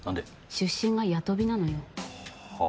出身が八飛なのよ。はあ。